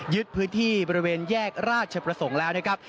พื้นที่บริเวณแยกราชประสงค์แล้วนะครับ